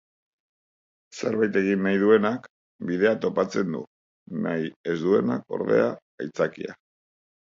Zerbait egin nahi duenak, bidea topatzen du. Nahi ez duenak, ordea, aitzakia.